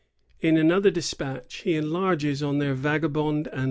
"^ In another despatch he enlarges on fl„ir vagaJnd and I..